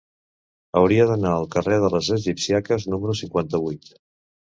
Hauria d'anar al carrer de les Egipcíaques número cinquanta-vuit.